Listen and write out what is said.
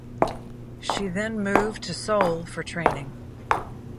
She then moved to Seoul for training.